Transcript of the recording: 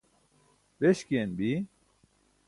beśkiyan bi?